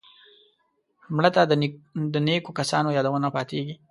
مړه ته د نیکو کسانو یادونه پاتېږي